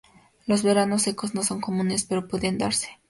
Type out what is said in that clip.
Los veranos secos no son comunes, pero pueden darse.